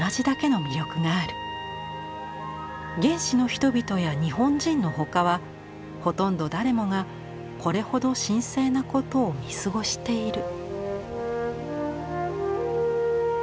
原始の人々や日本人のほかはほとんど誰もがこれほど神聖なことを見過ごしている」。